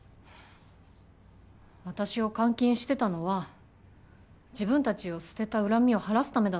私を監禁してたのは自分たちを捨てた恨みを晴らすためだったのよね？